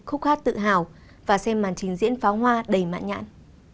khúc hát tự hào và xem màn trình diễn